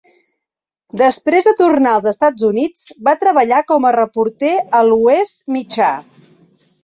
Després de tornar als Estats Units, va treballar com a reporter a l'Oest Mitjà.